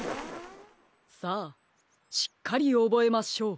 さあしっかりおぼえましょう。